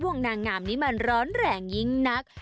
วงนางงามนี้มันร้อนแรงยิ่งนัก